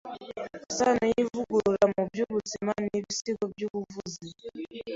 Isano y’Ivugurura mu by’Ubuzima n’Ibigo by’Ubuvuzi